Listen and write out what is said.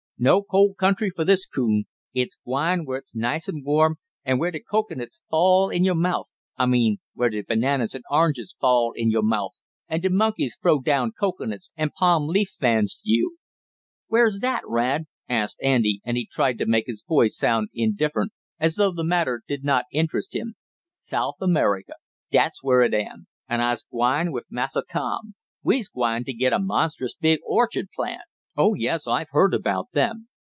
No cold country for this coon! I's gwine where it's nice an 'warm, an' where de cocoanuts fall in yo' mouf I mean where de bananas an' oranges fall in you mouf, an' de monkeys frow down cocoanuts an' palm leaf fans to yo'!" "Where's that, Rad?" asked Andy, and he tried to make his voice sound indifferent, as though the matter did not interest him. "South America, dat's where it am, an' I's gwine wif Massa Tom. We's gwine t' git a monstrous big orchard plant." "Oh, yes; I've heard about them.